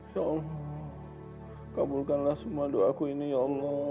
ya allah kabulkanlah semua doaku ini ya allah